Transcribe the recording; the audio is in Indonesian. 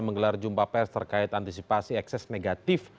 menggelar jumpa pers terkait antisipasi ekses negatif